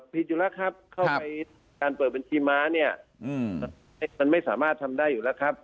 ผิดอยู่แล้วครับเข้าไปการเปิดบัญชีม้าเนี่ยมันไม่สามารถทำได้อยู่แล้วครับ